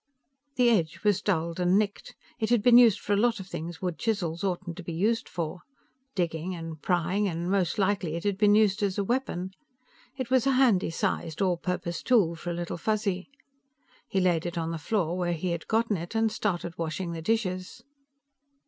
The edge was dulled and nicked; it had been used for a lot of things wood chisels oughtn't to be used for. Digging, and prying, and most likely, it had been used as a weapon. It was a handy sized, all purpose tool for a Little Fuzzy. He laid it on the floor where he had gotten it and started washing the dishes.